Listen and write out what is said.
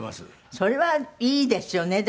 それはいいですよねだけど。